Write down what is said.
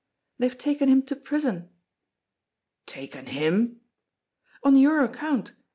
They've taken him to prison!" "Taken him!" "On your account.